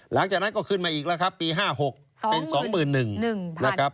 หลังจากนั้นก็ขึ้นมาอีกแล้วครับปี๕๖เป็น๒๑๐๐นะครับ